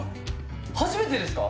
初めてですか？